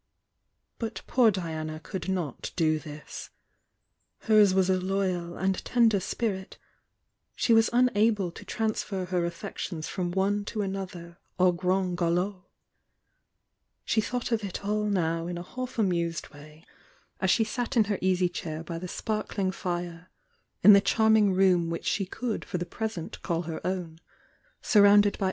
But poor Diana could not do this. Hers WM a loyal Ind tender 8pirit, she was unable to transfer i'er affections from one to another o« (/rond Mlop She thought of it all now m a half amused STaJf aa Te sat in her easy chair by the sparklmg fi^,'in tiie charming room which she could for the JreUnt call her own, surround^ by.